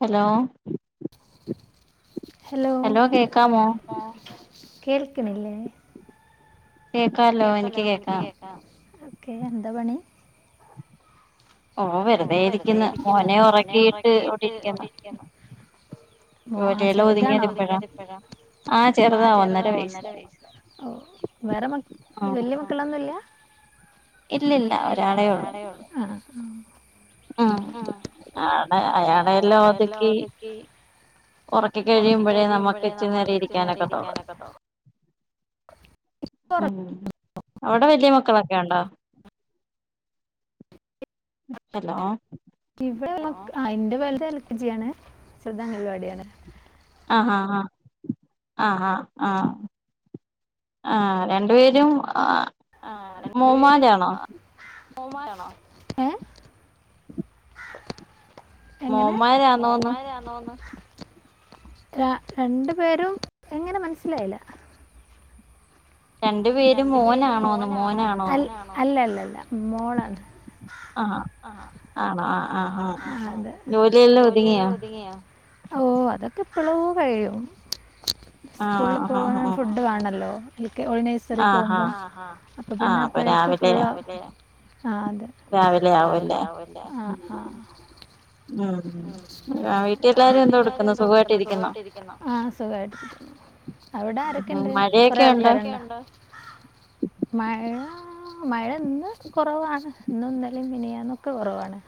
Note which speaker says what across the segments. Speaker 1: Hello
Speaker 2: hello കേൽക്ക്ണില്ലേ കേക്കാല്ലോ എനിക്ക് കേക്കാം
Speaker 1: ഓ വെറുതെ ഇരിക്കുന്നു മോനെ ഒറക്കീട്ട് ഓടിരിക്കുന്നു
Speaker 2: ഓ ആ ചെറ്താണോ വേറെ മ വെല്ല്യെ മക്കളൊന്നുല്ല ഇല്ലില്ല ഒരാളേ ഒള്ളു ആ ആണ് അയാളെ എല്ലാം ഒതുക്കി
Speaker 1: ഒറക്ക കഴിയുമ്പോഴേ നമ്മുക്ക് ഇച്ചി നേരം ഇരിക്കാനൊക്കത്തൊള്ളൂ അവിടെ വെല്ല്യെ മക്കളൊക്കെ ഒണ്ടോ ഹലോ
Speaker 2: ഇവിടെ അയിന്റെ [unintelligible] എൽ കെ ജി ആണ് [unintelligible] പരിപാടിയാണ്
Speaker 1: ആഹ് ആഹ് ആഹ് ആഹ് ആഹ് ആഹ് ആ രണ്ടു പേരും ആ
Speaker 2: ആ രണ്ടു പേരും ണോ ഏ [inaudible] എങ്ങനെ മോൻ മാരാണോന്ന് രണ്ടു പേരും എങ്ങനെ മനസിലായില്ല രണ്ടു പേര് മോനാണോന് മോനാണോന്ന് അല്ല അല്ല അല്ല മോള ആഹ ആണോ ആതെ ജോലിയെല്ലാം ഒതുങ്ങിയോ ഓ അതൊക്കെ എപ്പഴേ കഴിയും സ്കൂളിൽ പോകുമ്പോ ഫുഡ്‌ വേണമല്ലോ നേഴ്‌സറി പോകുമ്പോം അപ്പൊ പിന്നെ ആ അതെ രാവിലെ ആവില്ല ആ ആ ഉ വീട്ടി എ ല്ലാരും എന്താ എടുക്കുന്നു സുഖാ യിട്ട് ഇരിക്കുന്നോ ആ സുഖായിട്ടിരിക്കുന്നു അവിടെ ആരൊക്കെ ഉ ണ്ട് കൊറെ ആൾക്കാരുണ്ടോ മഴ ഒക്കെ ഉണ്ടോ മഴ മഴ ഇന്ന് കുറവാണ് ഇന്നും ഇന്നല ലും മിനിഞ്ഞാന്നും ഒ ക്കെ കുറവാണ്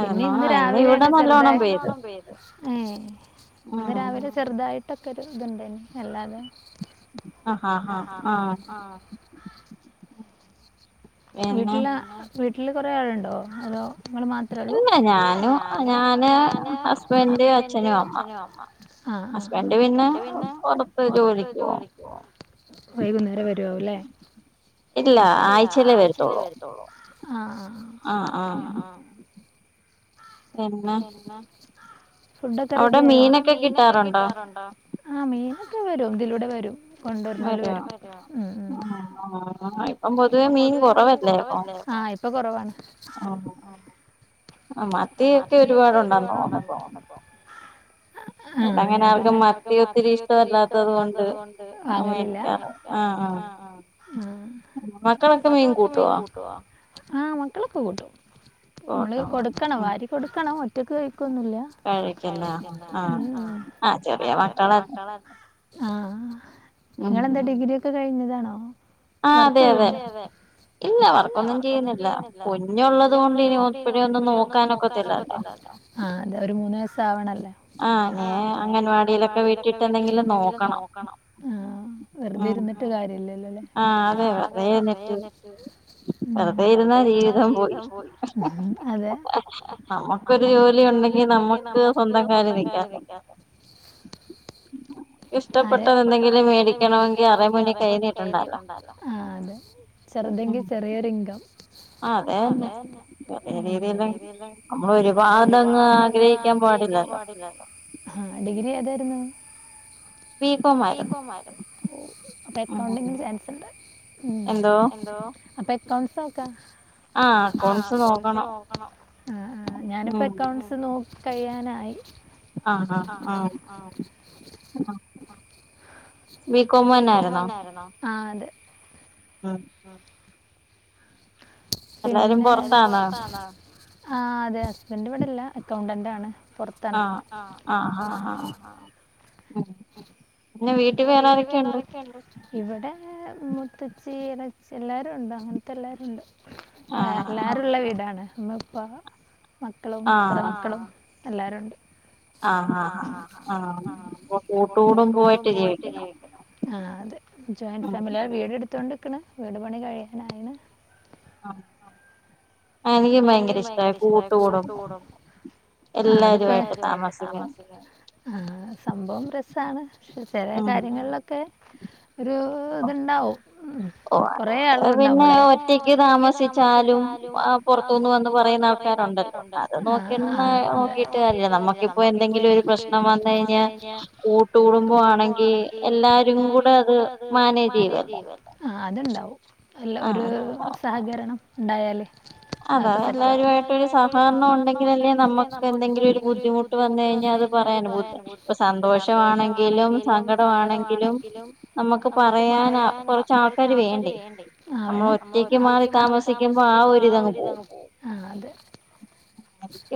Speaker 2: പിന്നെ ഇന്ന് രാവിലെയാണ് ഉടായിപ്പിൽ ഒന്ന് പെയ്ത ഇന്ന് രാവിലെ ചെറുതായിട്ട്- മുട്ടക്കർ ഇതുണ്ടന് അല്ലാതെ
Speaker 1: ആഹഹ് ആഹ്ആഹ്
Speaker 2: വീട്ടില് വീട്ടില് കൊറെേ ആളണ്ടോ അതോ നിങ്ങ മാത്രേള്ളൂ ഇല്ല ഞാനും ഞാന് ഹസ്ബൻഡ അച്ഛനും അമ്മ ആ ആ ഹസ്ബൻ് പിന്നെ പുറത്ത്രു വൈകുന്നേരം വരുല്ലേ [unintelligible]
Speaker 1: ഇല്ല ആഴ്ചയില വരു
Speaker 2: ചിലവരത്തോളൂ ആ ആ ആ ഫുഡൊക്കെ റെഡി ആയി അവിടെ മീനൊക്കെ കിട്ടാറുണ്ടോ ആ മീ വരും എതിലൂടെ വരും കൊണ്ടുവരുന്നല് വരുുംല്ല ഇപ്പം പൊതുവെ മീൻ കുറവല്ലേ ആഹ ഇപ്പൊ കൊറവാണ്
Speaker 1: ആ മറ്റേ ഒക്കെ
Speaker 2: ഒക്കെ ഒരുപാടുണ്ടന്നോപ്പോ ആ ആഹ് ഞ അങ്ങനെ ആർക്കും മത്തി ഒത്തിരി ഇഷ്ടമല്ലാത്തത് കൊണ്ട് ആ ആ മക്കളൊക്കെ മീൻ കൂട്ടുവ ആഹ മക്കളൊക്കെ കൂട്ടും നമ്മള് കൊടുക്കണം വാര്രി കൊടുക്കണം ഒറ്റക്ക് ന്നില്ല കഴിക്ക ആ ചെറിയ പാട്ടള ആഹ നിങ്ങെന്താ ഡിഗ്രിൊക്കെ കഴിഞ്ഞതാ വർത്ത
Speaker 1: ഇല്ല വർക്കൊന്നും ചെയ്യുന്നില്ല കുഞ്ഞുള്ളത് കൊൊണ്ട് ഇനി ഇപ്പഴൊന്നും നോക്കാനൊക്കത്തില്ല
Speaker 2: ആഹ അത ഒരു മൂന്ന് വയസ ആവണല്ലേ ആ അംഗൻവാടിയിലൊക്കെ വീട്ടിട്ട് എന്തെങ്കിലും നോക്കണം വെറുതെ ഇരുന്നിട്ട് കാര്യ ആഹ് അതെ വെറുതെ ഇരുന്നിട്ട് വെറുതെ ഇരുന്നാ ജീവിതം പോയി ഉ അതെ നമുക്കൊരു ജോലി ഉണ്ടെങ്കി നമുക്ക് സ്വന്തം കാര്യം ഇക്കാത്ത
Speaker 1: ഇഷ്ടപ്പെട്ടത് എന്തെങ്കിലും മേടിക്കണമെങ്കിൽ അര മണി കഴ
Speaker 2: ആഹ അതെ ചെറുതെങ്കി ചെറിയൊരു ഇൻകം അതെ തന്നെ നേരല്ലാം അമ്മ ഒരുപാട്ന്ന ആഗ്രഹിക്കാൻ പാടില്ലല്ലോ ആഹ ഡിഗ്രി അഏതായിരുന്നു ബ കോ ആരുന്നു അപ്പൊ അക്കൗണ്ടിങ്ങന് ചാൻസുണ്ട് ഉം എന്തോ അപ്പ കോൺസോക്ക ആ അക്കൗണ്ട്സ് നോക്കണം. ആ ആ ഞാനിപ്പം അകൗണ്ട്സ് നോ കഴിയാനായി ബി കോം തന്നായിരുന്നൊ ആഹ് അതെ ആഹ് പിന്നെ [unintelligible] പൊറത്താണൊ ആ അതെ ഹസ്ബെൻ്റ് ഇവിടെല്ല അക്കൗണ്ടൻറ് ആണ് പൊറത്താണ് ആ ആ ആ ആ പിന്നെ വീട്ടിൽ വേറാരൊക്കെ ഉണ്ട്? ഇവടെ മുത്തച്ചി ഇറച് എല്ലാരും ഉണ്ട് അങ്ങനത്തെ എല്ലാരും ഉണ്ട് എല്ലാരുംള്ള വീടാണ് ഇമ്മ ഇപ്പ മക്കളും കുറെ മക്കളും എല്ലാരുംണ്ട്
Speaker 1: ആഹ് ആ ആ ആഹ ഇപ്പൊ കൂട്ടുകുടുംബായിട്ട്
Speaker 2: [unintelligible] ആ അതെ ജോയിൻഫാമിലിയാ. വീടെടുത്തോണ്ട് ക്ണ് വീട് പണി കഴിയാനായിണ്
Speaker 1: ആ എനിക്കും ഭയങ്കര ഇഷ്ടാ യി കൂട്ട് കൂടുംബം
Speaker 2: ആ അത്പ്പ ആ സംഭവം രസ്സാണ്. പക്ഷെ ചില കാര്യങ്ങളിലൊക്കെ ഒരു ഇതുണ്ടാവും ഉം കൊറേ ആളുകളുണ്ടാവുമ്പളെ പിന്നെ ഒറ്റക്ക് താമസിച്ചാലും ആ പൊറത്തുന്ന് വന്ന് പറയുന്ന ആൾക്കാരുണ്ടല്ലോ ആഹ് ആഹ് അതെ നോക്കിട്ട് കാര്യല്ല നമ്മക്കിപ്പോ എന്തെങ്കിലും ഒരു പ്രശ്നം വന്ന് കഴിഞ്ഞാ കൂട്ട് കൂടുംബമാണെങ്കി എല്ലാരും കൂടെ അത് മാനേജ് ചെയ്വല്ലോ ആ അതുണ്ടാവും അല്ല ഒരു സഹകരണം ഉണ്ടായാല് അ ഒക്കെ സെറ്റാവും. അപ്പൊ എല്ലാവരുമായിട്ടൊരു സഹകരണം ഉണ്ടെങ്കിലല്ലേ നമുക്ക് എന്തെങ്കിലും ഒരു ബുദ്ധിമുട്ട് വ ന്ന് കഴിഞ്ഞാ അത് പറയാനു [unintelligible] ഇപ്പ സന്തോഷമാണെങ്കിലും സങ്കടമാണെങ്കിലും നമുക്ക് പറയാൻ കുറച്ച് ആൾക്കാര് വേണ്ടെ. ആ വേണം. നമ്മൾ ഒറ്റക്ക് മാറി താമസിക്കുമ്പോ ആ ഒരിതങ്ങ് പോവും ആ അതെ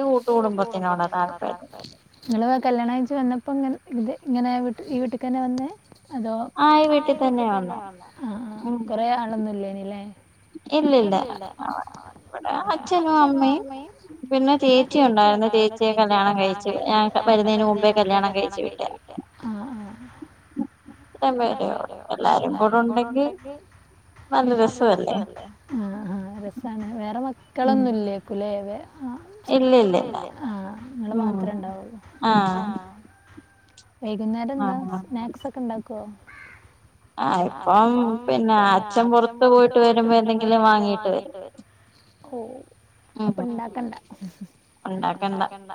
Speaker 2: എനിക്ക് കൂട്ട് കുടുംബത്തിനോട താൽപ്പര്യം ഇങ്ങള് കല്യാണം കഴിച്ച് വന്നപ്പം ഇ ഇങ്ങനെ ഈ വീട്ടിൽക്കന്നെ വന്നത് അതോ ആ വീട്ടിൽ തന്നെയാ വന്നെ. അ ആ കൊറേ ആളൊന്നും ഇല്ലേനി ല്ലേ
Speaker 1: ഇല്ലില്ല
Speaker 2: [unintelligible]
Speaker 1: അച്ഛനും അമ്മയും പിന്നെ ചേച്ചി ഉണ്ടായിരുന്നു ചേച്ചിയെ കല്യാണം കഴിച്ചു ഞാൻ വരുന്നതിന് മുമ്പേ കല്യാണം കഴിച്ചു വിട്ടേ
Speaker 2: ആ ആ
Speaker 1: ഇത്രേം പേരെ ഒള്ളൂ എല്ലാരും കൂടെ ഉണ്ടെങ്കിൽ
Speaker 2: അത് രസവല്ലേ ആഹ് ആഹ് രസാ ണ്. വേറെ മക്കളൊന്നുല്ലേക്കുലേ ഇല്ലില്ല. ആഹ് നിങ്ങള് മാത്രേ ഇണ്ടാവുള്ളൂ വൈകുന്നേരം എന്താ സ്നാക്സ് ഒക്കെ ഉണ്ടാക്കോ
Speaker 1: ആ ഇപ്പം പിന്നെ അച്ഛൻ പുറത്ത് പോയിട്ട് വരുമ്പോ എന്തെങ്കിലും വാങ്ങീട്ട് വരും
Speaker 2: ഓ അപ്പ ഇണ്ടാക്കണ്ട ഉണ്ടാക്കണ്ട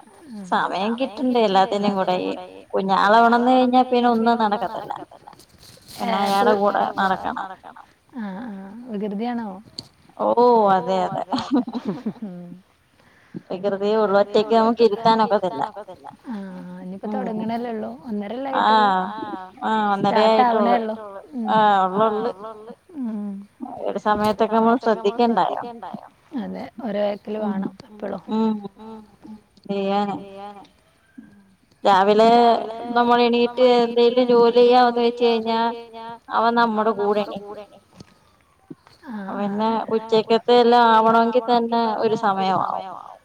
Speaker 2: സമയം കിട്ടണ്ടെ എല്ലാത്തിനും കൂടെ ഈ കുഞ്ഞാൾണന്നെ പിന്നെ പിന്നെ ഒന്നും നടക്കതില്ല ഇയാളെ കൂടെ നടക്കണം. ആഹ് ആ വികൃതിയാണൊ ഓ അതെ അതെ വികൃതിയെ ഒള്ളൂ. ഒറ്റക്ക് നമുക്ക് ഇരുത്താനൊക്കത്തില്ല. ആഹ് അനിയിപ്പോ തുടങ്ങണല്ലേ ഒള്ളോ ഒന്നരല്ലെ ആയി ട്ടൊള്ളൂ. ആഹ് സ്റ്റാർട്ടാവണെ ഒള്ളൂ. ഉവ്വ ഉവ്
Speaker 1: ഈയൊര് സമയത്തൊക്കെ നമ്മൾ ശ്രദ്ധിക്ക
Speaker 2: ശ്രദ്ധിക്കണ്ടായൊ അതെ ഓരെ വേക്ക്ല് വേണം എപ്പഴും ഉം [unintelligible]
Speaker 1: രാവിലെ നമ്മൾ എണീറ്റ് എന്തെലും ജോലി ചെയ്യാവന്ന് വെച്ച് കഴിഞ്ഞാൽ അവൻ നമ്മ
Speaker 2: അവൻ നമ്മുടെ കൂടെ എണീക്കും ആഹ് ആഹ് ആഹ് പിന്നെ ഉച്ചക്കത്തെ എല്ലാം ആ വണൊങ്കി തന്നെ ഒരു സമയമാവും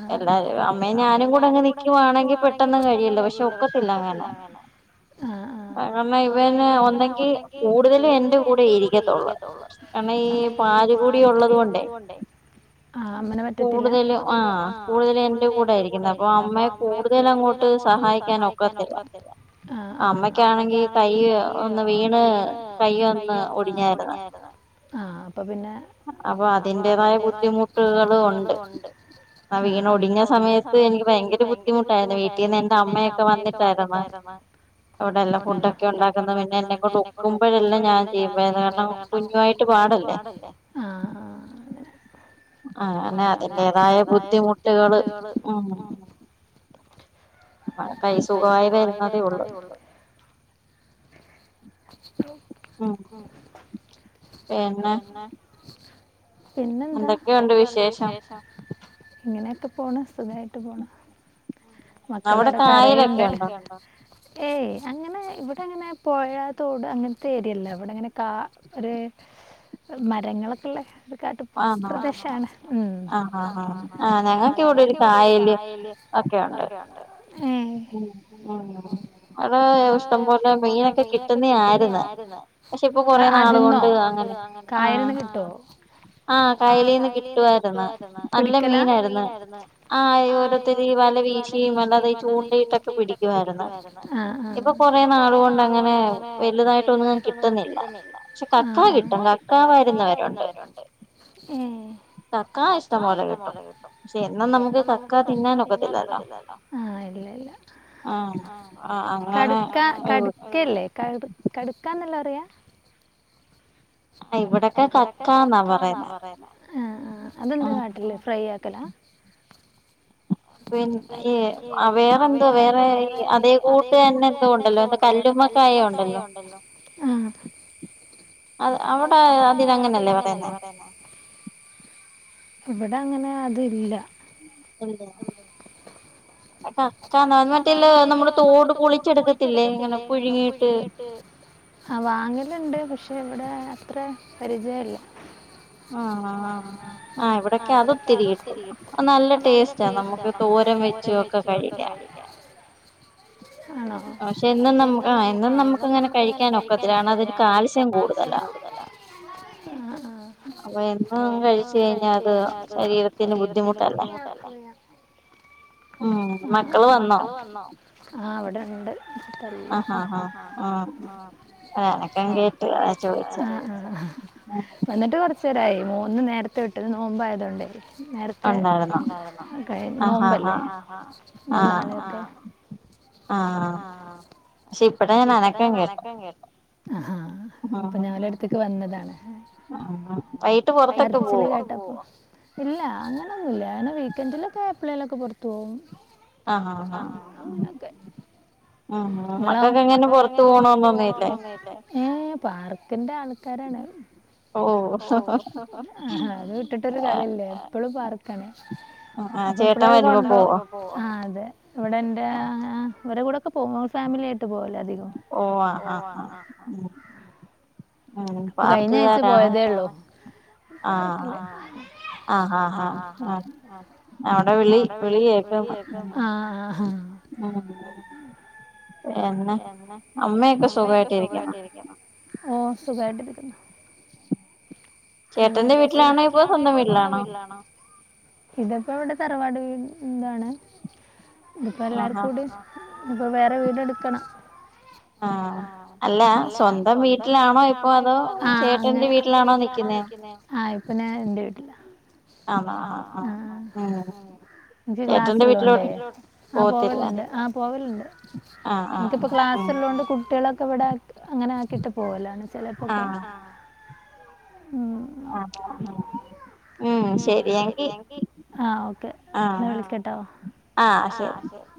Speaker 2: ആഹ് അല്ല
Speaker 1: മ്മേ ഞാനും കൂടങ്ങ് നിക്കുവാണെങ്കി പെട്ടെന്ന് കഴിയൊല്ലോ പക്ഷെ ഒക്കത്തില്ല [unintelligible] അങ്ങനെ ഇവന് ഉണ്ടങ്കി കൂടുതല് എന്റെ കൂടെ ഇരിക്കത്തൊള്ളൂ കാരണം ഈ പാലുകൂടി ഒള്ളത് കൊണ്ടേ കൂടുതല് ആഹ് കൂടുതലും എന്റെ കൂടെയിരിക്കുന്നെ അപ്പൊ അമ്മയെ കൂടു
Speaker 2: കൂടുതലങ്ങോട്ട് സഹായിക്കാനൊക്കത്തില്ല അമ്മക്കാണെങ്കി കയ്യ് എം ഒന്ന് വീണ് കൈയ്യൊന്ന് ഒടിഞ്ഞായ്ര്ന്നു ആഹ് അപ്പൊ പിന്നെ അപ്പൊ അതിന്റേതായ ബുദ്ധിമുട്ടുകള് ഉണ്ട്
Speaker 1: ആ വീണ് ഒടിഞ്ഞ സമയത്ത് എനിക്ക് ഭയങ്കര ബുദ്ധിമുട്ടാ
Speaker 2: ബുദ്ധിമുട്ടായിന്നു വീട്ടീന്ന് എന്റമ്മയൊക്കെ വന്നിട്ടാ [unintelligible]
Speaker 1: ഇവടെ ല്ലാം ഫുഡൊക്കെ ണ്ടാക്കുന്ന പിന്നെ എന്നെ കൊണ്ട് ഒക്കുമ്പഴെല്ലാം ഞാൻ ചെയ്യും [unintelligible] കാരണം കുഞ്ഞുവായിട്ട് കൊ
Speaker 2: നൈറ്റ്‌ പാടല്ലേ
Speaker 1: ആ അതിന് അതിന്റെതായ ബുദ്ധിമുട്ടുകള് ആഹ് അമ്മാടെ കൈ സുഗായി വരുന്നതേ ഉള്ളൂ
Speaker 2: ഇ കു [unintelligible] പിന്നെ പിന്നെ എന്താ എന്തൊക്കെയുണ്ട് വിശേഷം ഇങ്ങനെയൊക്കെ പോണ് സുഖായിട്ട് പോണ് മക്കളവിടെ കരയുണ്ട് ഏയ് അങ്ങനെ ഇവിടെങ്ങനെ പുഴ തോട് അങ്ങനത്തെ ഏരിയ അല്ല ഇവിടങ്ങനെ കാ ഒരു- മരങ്ങളൊക്കെ ഉള്ളെ കാട്ടു പ്രദേശാണ് ഉം ആആ ഞങ്ങക്ക് ഇവിടെ ഒരു കായല്- ഒക്കെയുണ്ട് മ് അത് ഇഷ്ടം പോലെ നീയൊ [unintelligible] ക്കെ കിട്ടുന്നയാരുന്ന് അ അതിന്നോ ഇപ്പൊ കൊറേ നാളുകൊണ്ട് കായലിന്നു കിട്ടുവോ ആഹ് കായലിന്ന് കിട്ടുവാരുന്നു പിടിക്കല നല്ല മീനായിരുന്നു
Speaker 1: ആ ഓരോരുത്തര് ഈ -
Speaker 2: ഒത്തിരി വല വീശിയും അല്ലാതെ ഈ ചൂണ്ടയിട്ടൊക്കെ പിടിക്കുവായിരുന്നു ആഹ് ആഹ് ഇപ്പ കൊറേ നാളുകൊണ്ട്- അങ്ങനെ വലുതായിട്ടൊന്നും കിട്ടുന്നില്ല കക്ക കിട്ടും കക്ക വരുന്നവരുണ്ട്
Speaker 1: കക്കാ ഇഷ്ടംപോലെ കിട്ടും പക്ഷെ എന്നും നമുക്ക് കക്ക തിന്നാനും-
Speaker 2: തിന്നാൻ ഒക്കത്തില്ലല്ലോ ആ ഇല്ല ഇല്ല ആ കടുക്ക കടുക്കല്ലേ കടുക്കാന്നല്ലേ പറയാ ഇവടെക്കെ കക്കാന്നാ പറയല് അതെന്താ കാട്ടല് ഫ്രൈ ആക്കേ- ക്കലാ
Speaker 1: പിന്നെ വേറെന്തോ വേറെ അതേ കൂട്ട് തന്നെ എന്തോ ഉണ്ടല്ലോ എന്ത കല്ലുമ്മക്കാ -
Speaker 2: കല്ലുമ്മക്കായ ഉണ്ടെല്ലോ ആ
Speaker 1: അ അവിടെ അതിന് അങ്ങനെല്ലേ പറയുന്നെ
Speaker 2: ഇവിടെ അങ്ങനെ അതില്ല.
Speaker 1: അല്ലേ [unintelligible] ക ക്ക മറ്റേല്ല നമ്മള് തോട് പൊളിച്ചെടുക്കത്തില്ലേ ഇങ്ങനെ പുഴുങ്ങീട്ട്?
Speaker 2: ആ വാങ്ങല്ണ്ട് പക്ഷെ ഇവിടെ അത്ര പരിചയല്ല.
Speaker 1: ആ ആ ഇവിടൊക്കെ അത് ഒത്തിരി കിട്ടും. നല്ല ടേസ്റ്റാ നമുക്ക് ഓരം വെച്ചുംഒക്കെ കഴി
Speaker 2: ഒക്കെ കഴിക്കാ. ആണോ? എന്നും നമുക്ക് എന്നും നമുക്ക് അങ്ങനെ കഴിക്കാനൊക്കെത്തില്ലകാരണം അതില് കാൽസ്യം കൂടുതലാ. ആ ആ
Speaker 1: അപ്പൊ എന്നും കഴിച്ച് കഴിഞ്ഞാ അത് ശരീരത്തിന് ബുദ്ധിമുട്ടല്ലേ?
Speaker 2: [inaudible]
Speaker 1: ആ
Speaker 2: ആ മക്കള് വന്നോ? ആ ഇവിടെ ണ്ട്. [unintelligible] ആക്കെ കേട്ട് വന്നിട്ട് കൊറച്ചേരായി മൂന്ന് നേരത്തെ വിട്ട് നോമ്പായതുകൊണ്ടേ നേരത്തെവന്നോ നോമ്പല്ലേ ഇന്നും നാളിയൊക്കെ ആഹ്
Speaker 1: ക്ഷെ ഇപ്പടെ ഞാൻ അനക്ക കേട്ട
Speaker 2: ആഹാ അപ്പൊ ഞാ ഓലെടുത്ക്ക് വന്നതാണ് കരച്ചില് കേട്ടപ്പോ ഇല്ലാ അങ്ങനെയൊന്നുല്ല വീക്കെൻഡിലൊക്കെഎപ്പളെലും പുറത്തു പോവും ആഹാ അങ്ങനൊക്കെ നിങ്ങളാമ്മക്കൊക്കെ ങ്ങനെ പൊറത്തു പോണന്ന്ന്നൊന്നീല്ലേഏ പാർക്ക്‌ തിന്റെ ആൾക്കാരാണ് ഓഹ ഹ ആഹ അത് വിട്ടിട്ടൊരു കളില്ല എപ്പളും പാർകാണേ അപ്പൊ ഇപ്പളെ കൊണ്ടോ - ആ അതെ ഇവിടെ എന്റെ ഇവരെ കൂടെക്കെ പോവും ഫാമിലി ആയിട്ട് പോവൂലേ അധിക
Speaker 1: ഓ ആ ആഹ ആഹ്
Speaker 2: അപ്പൊ കഴിഞ്ഞ ആഴ്ച്ച പോയതേ ഉള്ളു ർ ആഹ ആഹ് ആഹ ആഹ അവിടെ വിളി വിളി കേക്ക
Speaker 1: ആഹ [unintelligible] എന്നെ അമ്മയൊക്കെ സുഖായിട്ട ഇരിക്കുന്നു
Speaker 2: ഓ സുഖായിട്ടിരിക്കുന്നു ചേട്ടന്റെ വീട്ടിലാണോ ഇപ്പൊ സ്വന്തം വീട്ടിലാണോ ഇതപ്പോ ഇവിടെ തറവാട് ഇന്താണ് ഇതിപ്പോ എല്ലാർക്കും കൂടി ഇപ്പൊ വേറെ വീട് എടുക്കണം
Speaker 1: ആഹ അല്ല സ്വന്തം വീട്ടിലാണോ
Speaker 2: ണോ അങ്ങന്റെ വീട്ടിലാണോ നിക്കുന്നേ ആഹ്പ്പ എന്റെ വീട്ടില എനി ക്ലാസള്ളണ്ടേ ആ പോക ണ്ട് ആ പോവലണ്ട് ഇൻക്കിപ്പ ക്ലാസ്ള്ളണ്ട് കുട്ടികള ഇവിടെ അങ്ങനെ ആക്കിട്ട് പോവലണ് ചിലപ്പോക്കെ
Speaker 1: ആഹ ആഹ
Speaker 2: ഉ ശരിങ്ക ആ ഓക്കെ എന്നാ വിളിക്കട്ടോ ആഹ ശരി